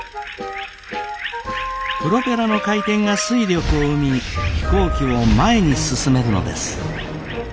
プロペラの回転が推力を生み飛行機を前に進めるのです。